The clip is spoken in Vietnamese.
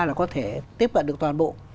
là có thể tiếp cận được toàn bộ